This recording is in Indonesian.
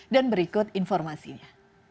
dan berikut informasinya